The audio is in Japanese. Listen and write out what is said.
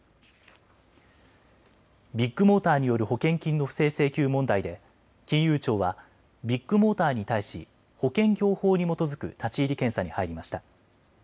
ビッグモーターによる保険金の不正請求問題で金融庁はビッグモーターに対し保険業法に基づく立ち入り検査に入りました。